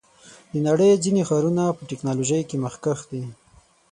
د نړۍ ځینې ښارونه په ټیکنالوژۍ کې مخکښ دي.